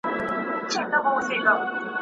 ولي پر کوچنیو خبرو زیات فکر کول رواني عذاب جوړوي؟